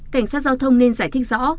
cảnh sát giao thông nên giải thích rõ